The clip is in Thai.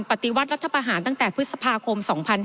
ปฏิวัติรัฐประหารตั้งแต่พฤษภาคม๒๕๕๙